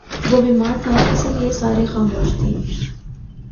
وہ بیمار تھا، اسی لئیے سارے خاموش تھے